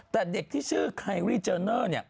แต่เด็กชื่อคาไรร์เจินเน้อ